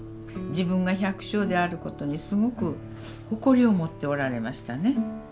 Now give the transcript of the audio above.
自分が百姓であることにすごく誇りを持っておられましたね。